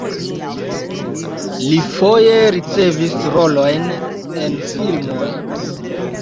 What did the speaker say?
Li foje ricevis rolojn en filmoj.